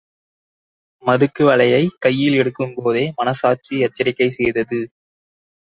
மதுக்குவளையைக் கையில் எடுக்கும்போதே மனசாட்சி எச்சரிக்கை செய்தது.